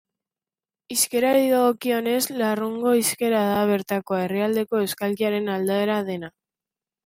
Hizkerari dagokionez, Larraungo hizkera da bertakoa, erdialdeko euskalkiaren aldaera dena.